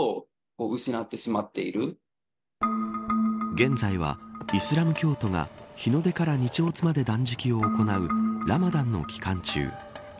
現在はイスラム教徒が日の出から日没まで断食を行うラマダンの期間中。